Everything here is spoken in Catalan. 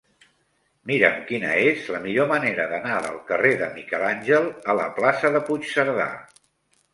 Mira'm quina és la millor manera d'anar del carrer de Miquel Àngel a la plaça de Puigcerdà.